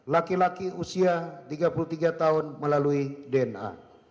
laki laki usia tiga puluh tiga tahun melalui dna